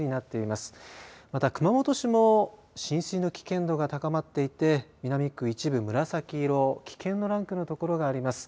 また熊本市も浸水の危険度が高まっていて南区一部紫色危険なランクの所があります。